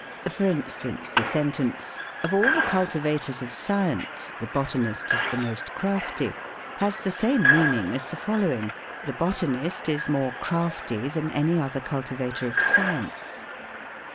For instance ; the sentence, " Of all the cultivators of science, the botanist is the most crafty," has the same meaning as the following: "The botan ist is more crafty than any other cultivator of science."